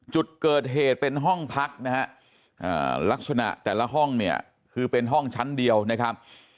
จุดเกิดเหตุเป็นห้องพักนะฮะลักษณะแต่ละห้องเนี่ยคือเป็นห้องชั้นเดียวนะครับ